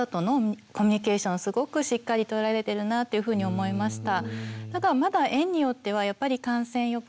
すごくしっかり取られてるなというふうに思いました。